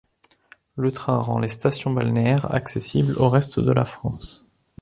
Le train rend les stations balnéaires accessibles au reste de la France.